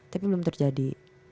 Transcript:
tapi belum terjadi